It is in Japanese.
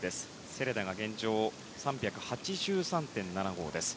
セレダが現状３８３．７５です。